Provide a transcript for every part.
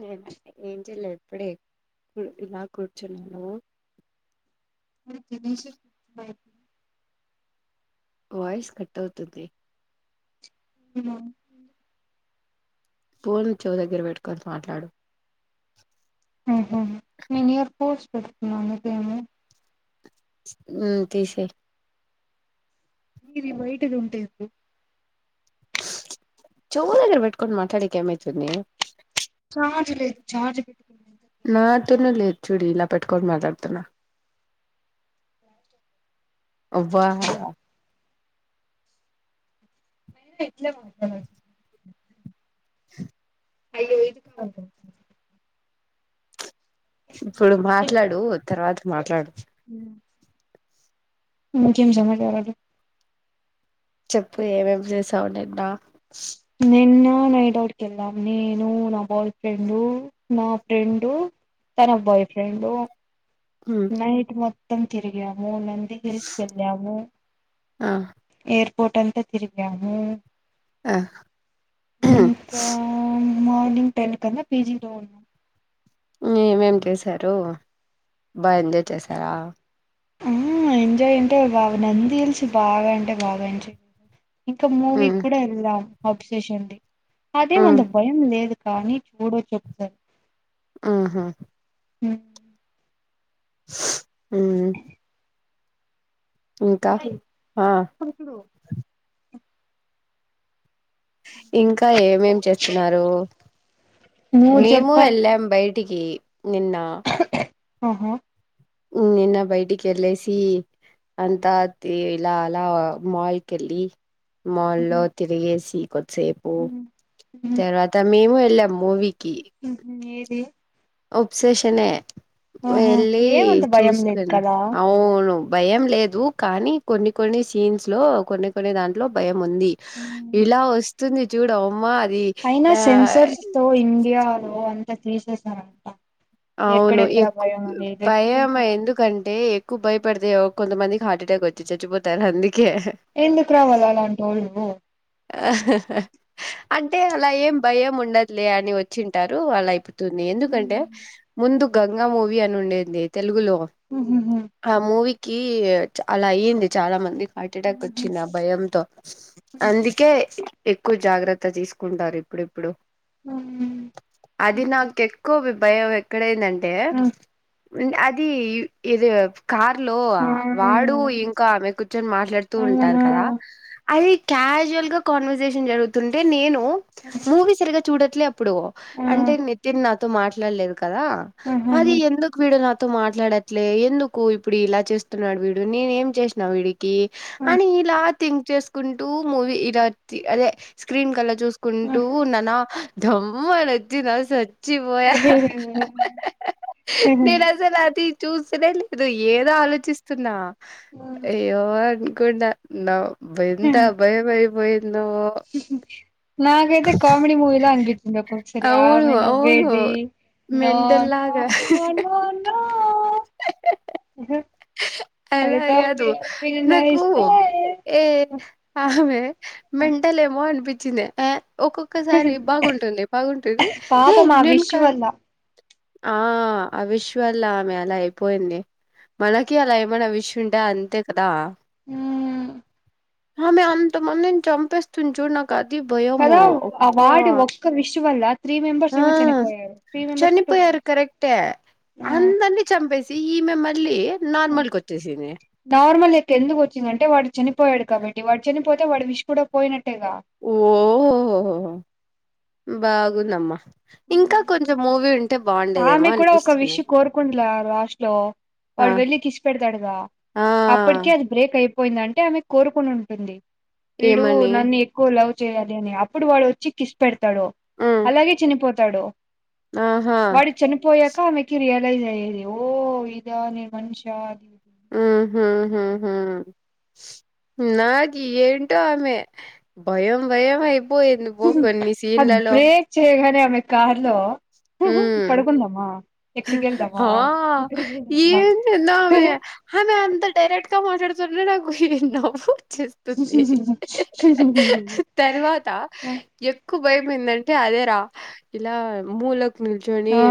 నేను ఏంజిల్ ఎప్పుడే ఇలా కూర్చున్నాను అతేషతు వాయిస్ కట్ అవుతుంది అ పోన్ చవు దగ్గర పెట్టుకొని మాట్లాడు నేనుయర్ పోర్స్ పెట్కున్నా అమ మ్మ్ తీసేయ్ మీరి బయటది ఉంటేప్పుడు చోరుగర పెట్కొ మాట్లాడక ఏమైతు న చార్జలేదు చార్జ చూడి ఇలా పెట్టుక మాట్లాడుతనా వా ఇ మ అ అయ్యో ఇదిక వ ఇప్పుడు మాట్లాడు తర్వాత మాట్లాడు ఇంకేం సమాచారాలు చెప్పు ఏమేం చేసావు నిన్నా నిన్న నై డౌట్ క వెళ్ళాం నేను నా బాయ ఫ్రెండ్ నా ఫ్రెండు తన బాయ్ ఫ్రెండు ఉమ్, నైట్ మొత్తం తిరిగా నంది హిల్స్ వెళ్ళము ఆ పోటంతా తిరిగాము ఆ ఇంకా మార్నింగ్ టెన్ కన్న పిజిలో ఉ ఏమేం చేసారు బా ఎంజాయ్ చేసారా ఆ ఎంజాయ్ అంటే బాగా నంది తెలిసి బాగా అంటే బాగా ఎంచే ఇంకా మూవీ మ్మ్ కూడా వెళ్దాం అబ్సషన్డి అదెం అంత భయం లేదు కానీ చూడొచ్చు ఒకసారి ఆహా ఉ ఉమ్ ఇంకా ఏయ్! ఆ ఇప్పుడు చూడు ఇంకా ఏమేం చేస్తున్నారు నువ్వు మేము చెప్పాలి ఎల్లం బయటికి నిన్న ఆహా ఉ నిన్న బయటికి ఏళ్లేసి అంతా తే ఇలా అలా మాల్ కెల్లీ మాల్లో హ్మ్. తిరిగేసి కొద్దిసేపు హ్మ్. తర్వాత మేము ఎల్లం మూవీ ఉహు ఏది అబ్సెషనే ఆహా వెళ్ళి ఏమంత భయం లేదు చూసుకెళ్ళు కదా అవును భయం లేదు కానీ కొన్ని కొన్ని సీన్స్ లో కొన్ని కొన్ని దాంట్లో భయం ఉంది హ్మ్. ఇలా వస్తుంది చూడు ఓమ్మా అయినా సెన్సర్స్ తో ఇండియాలో అంతా తీసేసారంట అవును ఎక్కడెక్కడ ఎక్కు భయం అనేది ఇంకా భయమే ఎందుకంటే ఎక్కు భయం పడితేయో కొంత మందికి హార్ట్ అటాక్ వచ్చి చచ్చిపోతారు అంది ఎందుకు రావాల అలాంటోళ్ళు ఆ అంటే అలా ఏం భయం ఉండదులే అని వచ్చింటారు అలా అయిపోతుంది ఎందుకంటే ముందు గంగా మూవీ అని ఉండేది తెలుగులో ఆ మూవీ కి అలా అయ్యింది చాలా మంది హార్ట్ అటాక్ వచ్చింది ఆ భయంతో ఇందుకే ఎక్కువ జాగ్రత్త తీసుకుంటారు ఇప్పుడిప్పుడు అది నాకు ఎక్కువ భయం ఎక్కడైందంటే అది ఇది కార్ లో వాడు ఇంకా ఆమె కూర్చొని మాట్లాడుతూ ఉంటారు కదా అది క్యాజువల్ గా కాన్వర్సేషన్ జరుగుతుంటే నేను మూవీ సరిగా చూడ ఇప్పుడు అంటే నితిన్ నాతో మాట్లాడలేదు కదా అది ఎందుకు వీడు నా తో మాట్లాడట్లే ఎందుకు ఇప్పుడు ఇలా చేస్తున్నాడు వీడు నేను ఏం చేసిన వీడి కి అని ఇలా థింక్ చేసుకుంటూ మూవీ ఇలా అదే స్క్రీన్ కల్లా చూసుకుంటూ ఉన్నానా ఉమ్ అని అచ్చిందా సచ్చిపోయా నేను అసలు అది చూస్ సడెన్కదో లేదు ఏదో ఆలోచిస్తున్నా అయ్యే అనుకున్న నవ్ ఎంతా భయమైపోయిందో నాకైతే కామిడి మూవిలా అనీపించింది ఒకొక్కసారి అవును ఆమె అవును నవ్వేది నో మెంటల్ నో లాగా నో నో నో అలా గాదు నాకు ఏ ఆమె మెంటల్ ఏమో అనిపించిందే ఒక్కొక్కసారి బాగుంటుంది బాగుంటుంది ఏ పాపం ఆ నేను విష్ కాదు ఆ అవిశ్ వల్ల ఆమె అలా అయిపోయింది మనకి అలా ఏమైనా విష్ ఉంటే అంతే కదా ఉమ్ ఆమె అంత మందిం చంపేస్తుం చూ నాకు కది భయమ కదా ఆ అబ్బా వాడి ఒక్క విష్ వల్ల త్రీ మెంబర్స్ ఏమో చనిపోయారు త్రీ మెంబర్స్ టూ పోయారు మెంబర్స్ కరెక్ట్అందరిని చంపేసి ఈ మమ్మల్ నార్మల్ క్క ఎందుకు వచ్చిందంటే వాటి చనిపోయాడు కాబట్టి వాడు చనిపోతే వాడు విష కూడా పోయినట్టేగా ఓహోహో బాగుందమ్మా ఇంకా కొంచెం మూవీ ఉంటే బాగుండేదేమో అనిపిస్తున్నా స్ట్ లో వాడు వెళ్లిి కిసి పెడతాడుగా ఆ అప్పటిక అది బ్రేక్ అయిపో పోయింద అంటే ఆమె కోరుకుని ఉంటుంది వీడు ఏమని నన్ను ఎక్కువ లవ్ చేయాలి అని అప్పుడు వాడు వచ్చి కిస్ పెడతాడు హ్మ్ అలాగే చనిపోతాడు ఆహా వాడిచ్చను పోయాక ఆమెకి ఇల ఇదా ఇది ఓహ ఇద ని మనుషా అది ఆ హ నాగ ఏంటో ఆమెమె భయం భయంమ అయి అది బ్రేక్ చేయగానే ఆమె కార్ లో హ్మ్ పడుకుందామా ఎక్కడికి వెళ్దామా ఆ ఎక్కడిదా అ మ అంత డైరెక్ట్గా మాట్లాడతు నాకు నవ్వు తర్వాత ఎక్కువ భయం ఏందంటే ద రా ఇలా ములక్ నిల్చొని ఆ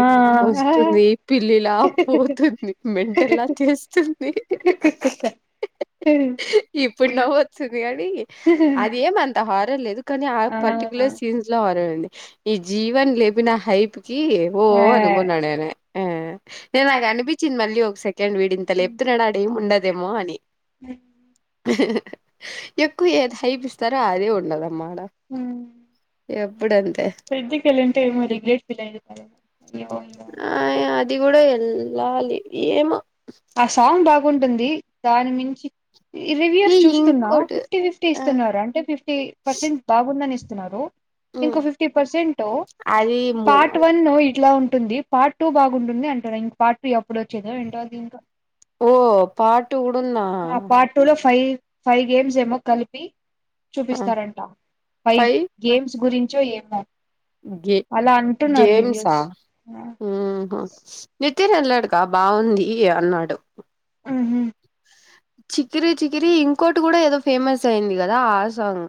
ఆ వస్తుంది పిల్లిలా పోతుంది మెంటల్లా చేస్తుంది ఇప్పుడు నవ్ వచ్చింది కానీ అదేమ అంత హారర్ లేదు కానీ ఆ ప ర్టికులర్ సీన్స్ లో హారడండి ఈ జీవన్ లేపిన హైప్కి ఓ అనుకున్నా నేనే ఆ ఇలాగా అనిపించింది మళ్ళీ ఓ అండ్ వీడింత లేపుతున్నాడాడ ఏమి ఉండదేమో అని ఎక్కువ ఏది హైపిస్తారో అదే ఉండలమ అడ ఎగిత్యా ఏ ఉంటామరి గేట్ బయితే ఆ అది కూడా వెళ్ళాలి ఏమో ఆ సాంగ్ బాగుంటుంది దాని మించి రివ్యూస్ ఏ చూస్తున్నా ఇంకోటి ఫిఫ్టీ ఫిఫ్టీ ఆ ఇస్తున్నారు అంటే ఫిఫ్టీ పర్సెంట్ బాగుందని ఇస్తున్నారు ఇంకో ఫిఫ్టీ పర్సెంట్ అది మూ పార్ట్ వన్ ఇట్లా ఉంటు ఉంటుంది పార్ట్ టూ బాగుంటుంది అంటారా ఇంక పార్ట్ త్రీ అప్పుడు వచ్చేదో ఏంటో దీంతో పార్ట్ టూ కూడా ఉందా పార్ట్ టూ లో ఫైవ్ ఫైవ్ గేమ్స్ ఏమో కలిపి చూపిస్తారంట పై గేమ్స్ గురించో ఏమె గె గేమ్స్ రివ్యూస్ ఉహ తరిళ్ళాడుగా బాగుంది అన్నాడు ఆహ చికిరి చికిరి ఇంకోటి కూడా ఏదో ఫేమస్ అయింది కదా ఆ సాంగ్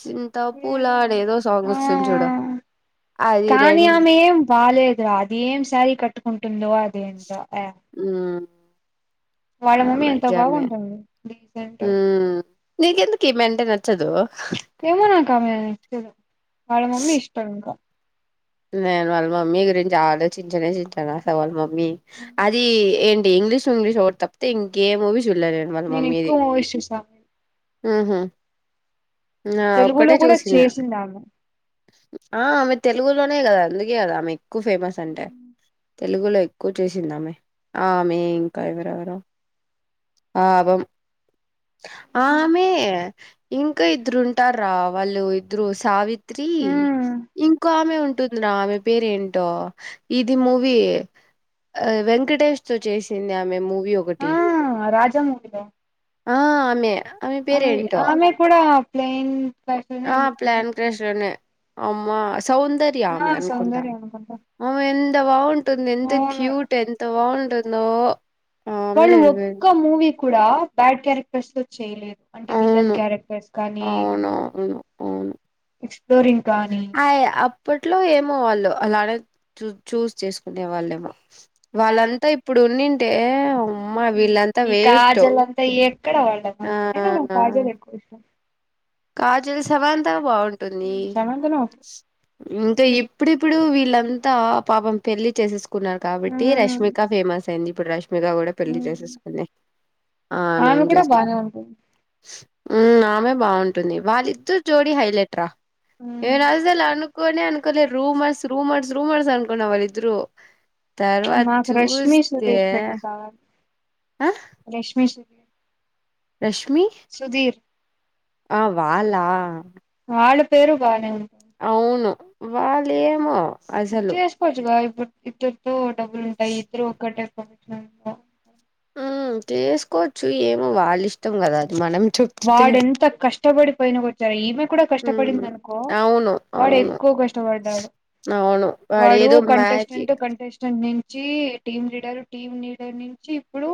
సింతా పూలా అనే ఏదో సాంగ్ వస్తుంది చూడ కానీయామే వ బాలాలేదురా అది ఏం శారీ కట్టుకుంటుందో అదింత ఉమ్ ఆ నిజమే బాగుంటుంది డీసెంట్ ఉ నీకెందుకే మెంటల్ దానా ఏమో నా నచ్చల వాళ్ళ మమ్మీ ఇష్టం ఇంకా నేను వాళ్ళ మమ్మీ గురించి ఆలోచించనే చింటాను స వాళ్ళ మమ్మీ మి అది ఏంటి ఇంగ్లీష్ ఇంగ్లీష్ ఒక తప్పతే ఇంకేఊ జువెలరీ ఏమో వాళ్ నేను మమ్మీది ఎక్కువ మూవీస్ చూసా ఊ హ ఆ తెలుగులో ఒక్కటే కూడా చూసింన చేసింది ఆమె ఆ ఆమె తెలుగు కదా అందుకే కదా ఆమె ఎక్కువ ఫేమస్ అంటే తెలుగులో ఎక్కువ చేసిందామె ఆమె ఇంకా ఎవరెవరు పాపం ఆమె ఇంకా ఇద్దరుంటారా వాళ్ళు ఇద్దరు సావి ఉమ్ ఇంకో ఆమె ఉంటుందిరా ఆమె పేరు ఏంటో ఇది మూవీ వెంకటేష్ తో చేసింది ఆమె మూవీ ఆ ఒకటి [unintelligible] ఆ ఆమె ఆమె ఆమె కూడా ప్లైన్ ఆ ప్లాన్ క్రష్ లోనే అమ్మా సౌందర్య ఆ ఆమె అనుకుంటా సౌందర్య అనుకుంటా ఆమె ఎంత బగుంటంది ఎంత అవును క్యూట్ ఎంత బాగుంతుందో వాళ్ళు ఒక్క మూవీ కూడా బ్యాడ్ క్యారెక్టర్స్ తో చేయలేదు అంటే విల్లన్ అవును క్యారెక్టర్స్ కానీ అవును ఎక్స్ప్లోరింగ్ కానీ అయ అప్పట్లో ఏమో వాళ్ళు అలానే చూ చూస్ చేసుకునే వాళ్ళేమో వాళ్ళంతా ఇప్పుడు ఉ టె ఈ కాజల్ అంతా ఎక్కడ ఆ [unintelligible] కాజల్ ఎక్కువ ఇష్టం కా సమంత బాగుంటుంది సమంతను ఇంకా ఇప్పుడిప్పుడు వీళ్ళం అంత పాపం పెళ్లి చేసేసుకున్నారు కాబట్టి రష్మిక ఫేమస్ అయింది ఇప్పుడు రష్ మీగా కూడా పెళ్ళి చేసేసుకుంది ఆమె కూడా బానే [unintelligible] ఉ ఉంటుంది ఆమె [unintelligible] వాళ్ళద్ద జోడి హైలైట్ రా నేనూ అసలు అనుకోనే అనుకోలే రూమర్స్ రూమర్స్ రూమర్స్ అనుకున్న వాళ్ళిద్దరూ మాకు రష్మి సుధీర్ పెళ్లి [unintelligible] ఆ రష్మీ సుధీర్ రష్మి సుధీర్ ఆ వాళ్ళ వాళ్ళ పేరు బానే ఉంటుంది అవును వాళ్ళేమో అసలు చేసుకోవచ్చుగా ఇప్పుడు ఇద్దరుతో డబ్బులు ఉంటాయి ఇద్దరు ఒక్కటే [inaudible] ఆ చేసుకోవచ్చు ఏమో వాళ్ళ ఇష్టం కదా అది మనం చెప్తే వాడెంత కష్టపడి పైన వచ్చాడో ఈమె కూడా ఉమ్ కష్టపడింది అనుకో వా అవును వాడు అవును ఎక్కువ కష్టపడ్డాడు అవును వాడు వాడేదో కంటెస్టెంట్ మ్యాజిక్ కంటెస్టెంట్ నుంచి టీమ్ లీడర్ టీమ్ లీడర్ నుంచి ఇప్పుడు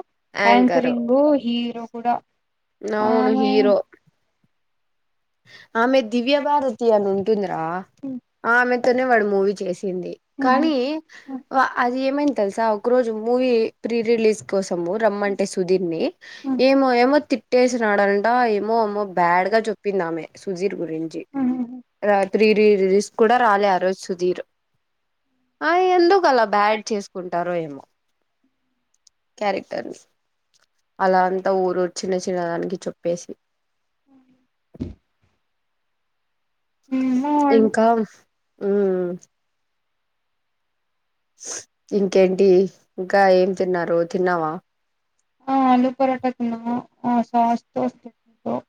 యాంకర్ యాంకరింగ్ హీరో కూడా అవును ఆమె హీరో ఆమె దివ్య భారతి అని ఉంటుంద్రా ఆ ఆమెతోనే వాడు మూవీ చేసింది కానీ అది ఏమై తెలుసా ఒక రోజు మూవీ ప్రీ రిలీజ్ కోస్ రమ్మంటే సుధీర్ ని ఏమో ఏమో తిట్టేసినడంట ఏమో అమ్మో బ్యాడ్ గా చెప్పింది సుధీర్ గురించి ప్రిర్లేజ్ కూడా రాలే ఆ రోజు సుధీర్ ఆ ఎందుకు అలా బ్యాడ్ చేసుకుంటారో ఏమో క్యారెక్టర్ ని అలా అంతా ఊరు చిన్న చిన్నదానికి చెప్పేసి ఉ ఏమో వాళ్ళు ఇంకా ఉ ఇంకేంటి ఇంకా ఏం తిన్నారు తిన్నావా ఆ ఆలూ పరాటా తిన్నా సాస్ [unintelligible]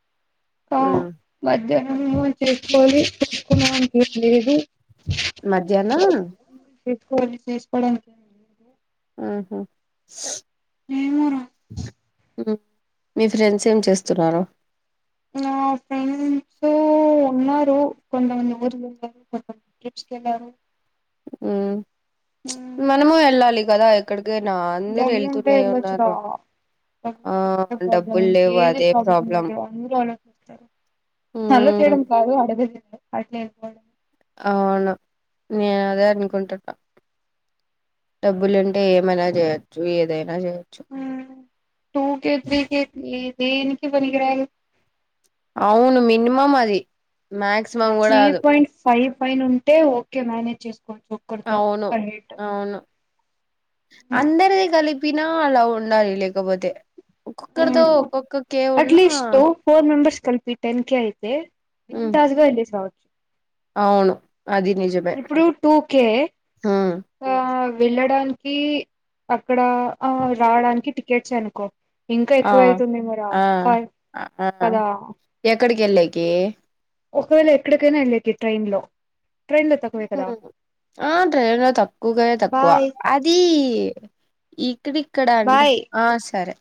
ఆ ఉమ్ మధ్యాహ్నము [unintelligible] మధ్యానం గది తీసుకోవడానికి [unintelligible] మ్ హు ఏమో రా మ్ మీ ఫ్రెండ్స్ ఏం చేస్తున్నారు? నా ఫ్రెండ్స్ ఉన్నారు కొంతమంది ఊరు వెళ్ళారు. లా [unintelligible] మ్ మనము వెళ్ళాలి కదా ఎక్కడికైనా అందరూ వెళ్తూనే ఉన్నారు. ఆ బ్ల డబ్బులు లేవు బ అదే ప్రాబ్లం లేదు అందరూ అలో ఉమ్ చేయడం కాదు అడగ అట్లే వెళ్ళిపోవడం. అవును నేను అదే అనుకుంటున్నా. డబ్బులు ఉంటే అంటే ఏమైనా చేయొచ్చు ఏదైనా చేయొచ్చు. టూ కేే త్రీ కే దేనికి పనిరాదు. అవును మినిమం అది మాక్సిమం మంచి కూడా దే కాదు పాయింట్ ఫైవ్ పైన ఉంటే ఓకే మ్యానేజ్ అవును అవును అందరది గలిపి నా అలా ఉండాలి లేకపోతే ఒక్కొక్కరితో ఒక్కొక్కకే ఉన్నా అట్లీస్ట్ ఫోర్ మెంబర్స్ కలిపి టెన్కె యితే ఉమ్ బిందాజ్ గా ఎల్లేసి రావచ్చు. అవును అది నిజమే ఇప్పుడు టూ కేె ఉమ్ ఆ వెళ్ళడానికి అక్కడ ఆ రావడానికి టికెట్స్ అనుకో ఇంకా ఆ ఎక్కువ అయితుందేమోరా ఆ ఫైవ్ కదా టికెట్లకి ఒకవేళ ఎక్కడికైనా వెళ్ళేకి ట్రైన్ లో ట్రైన్ లో తక్కువే కదా ఆ ట్రైన్ లో తక్కువగా తక్కువ బాయ్ అది ఈ ఇక్కడ ఇక్కడ అండి బాయ్ ఆ సరే.